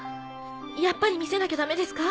やっぱり見せなきゃダメですか？